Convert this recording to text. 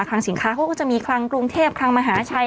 ทางสินค้าเขาก็จะมีคลังกรุงเทพคลังมหาชัย